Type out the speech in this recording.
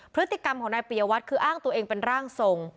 พฤติกรรมของนายปียวัตรคืออ้างตัวเองเป็นร่างทรง